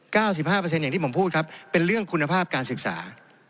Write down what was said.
๙๕อย่างที่ผมพูดครับเป็นเรื่องคุณภาพการศึกษา